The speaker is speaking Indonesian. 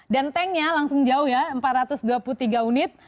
dan tanknya langsung jauh ya empat ratus dua puluh tiga unit